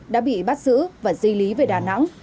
đã bị bắt giữ và di lý về đà nẵng